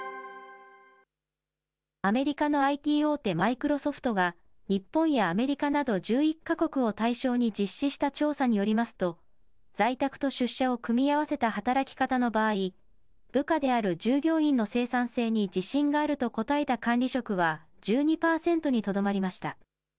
アメリカのＩＴ大手、マイクロソフトが、日本やアメリカなど１１か国を対象に実施した調査によりますと、在宅と出社を組み合わせた働き方の場合、部下である従業員の生産性に自信があると答えた管理職は１２％にとどまりました。